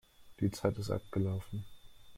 Die Zeit ist abgelaufen.